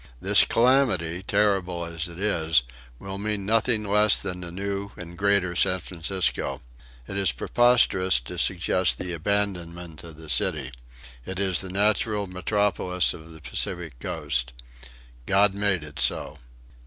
This calamity, terrible as it is, will mean nothing less than a new and grander San Francisco. It is preposterous to suggest the abandonment of the city. It is the natural metropolis of the Pacific coast. God made it so.